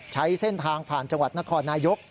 ใช้เส้นทางผ่านจังหวัดนครนายก